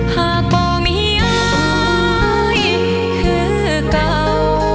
หากก็มีอายคือเก่า